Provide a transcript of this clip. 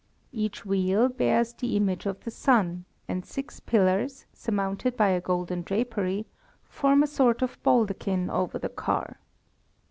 Each wheel bears the image of the sun, and six pillars, surmounted by a golden drapery, form a sort of baldachin over the car.